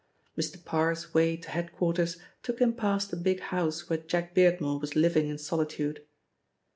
Mr. Parr's way to head quarters took him past the big house where Jack Beardmore was living in solitude.